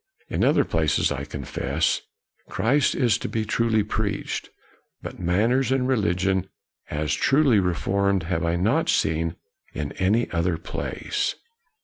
In other places, I confess, Christ is to be truly preached; but manners and religion as truly reformed have I not seen in any other place.